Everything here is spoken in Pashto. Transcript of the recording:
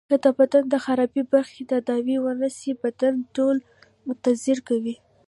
که د بدن د خرابي برخی تداوي ونه سي بدن ټول متضرر کوي.